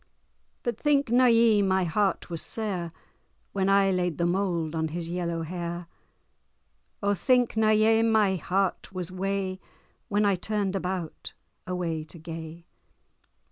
But think na ye my heart was sair, When I laid the moul' on his yellow hair; O think na ye my heart was wae, When I turn'd about, away to gae?